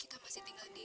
kita masih tinggal di